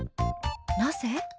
なぜ？